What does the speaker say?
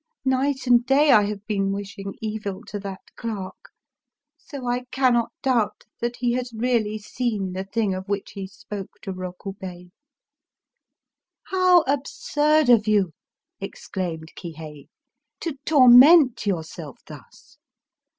Night and day I have been wishing evil to that clerk. So I cannot doubt that he has really seen the thing of which he spoke to Rokubei." " How absurd of you," exclaimed Kihei, " to torment yourself thus!